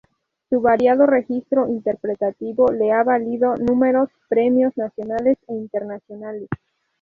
Su variado registro interpretativo le ha valido números premios nacionales e internacionales.